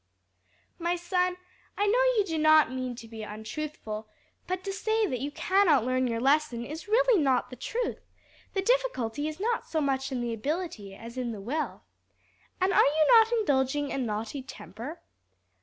"My son, I know you do not mean to be untruthful, but to say that you cannot learn your lesson is really not the truth; the difficulty is not so much in the ability as in the will. And are you not indulging a naughty temper?"